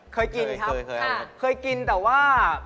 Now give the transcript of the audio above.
เคยกินครับค่ะค่ะเคยกินแต่ว่า